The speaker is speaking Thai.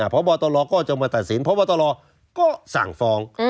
พบตรก็จะมาตัดสินพบตรก็สั่งฟ้อง